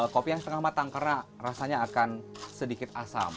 kopi yang setengah matang karena rasanya akan sedikit asam